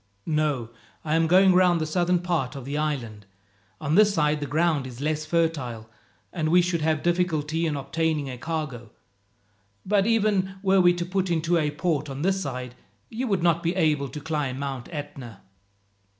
"No, I am going round the southern part of the island. On this side the ground is less fertile, and we should have difficulty in obtaining a cargo. But even were we to put into a port on this side, you would not be able to climb Mount Etna.